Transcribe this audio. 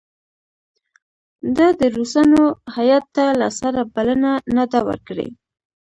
ده د روسانو هیات ته له سره بلنه نه ده ورکړې.